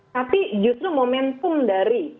tapi justru momentum dari